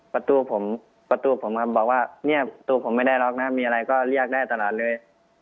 ประตูผมประตูผมก็บอกว่าเนี่ยตัวผมไม่ได้ล็อกนะมีอะไรก็เรียกได้ตลอดเลย